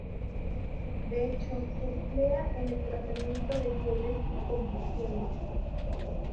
De hecho, se emplea en el tratamiento de fiebres y convulsiones.